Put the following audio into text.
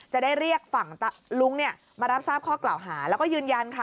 จะได้เรียกฝั่งลุงเนี่ยมารับทราบข้อกล่าวหาแล้วก็ยืนยันค่ะ